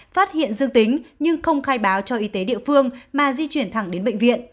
phát hiện dương tính nhưng không khai báo cho y tế địa phương mà di chuyển thẳng đến bệnh viện